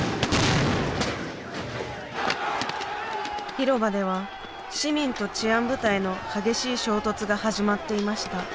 広場では市民と治安部隊の激しい衝突が始まっていました。